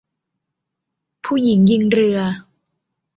ผู้หญิงยิงเรือ